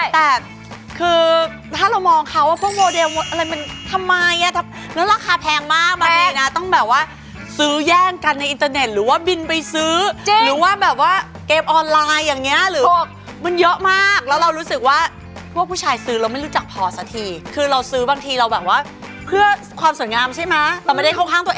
แต่คือถ้าเรามองเขาว่าพวกโมเดลอะไรมันทำไมอ่ะแล้วราคาแพงมากบางทีนะต้องแบบว่าซื้อแย่งกันในอินเตอร์เน็ตหรือว่าบินไปซื้อหรือว่าแบบว่าเกมออนไลน์อย่างเงี้ยหรือพวกมันเยอะมากแล้วเรารู้สึกว่าพวกผู้ชายซื้อเราไม่รู้จักพอสักทีคือเราซื้อบางทีเราแบบว่าเพื่อความสวยงามใช่ไหมเราไม่ได้เข้าข้างตัวเอง